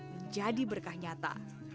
menjadi berkah nyata